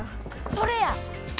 それや！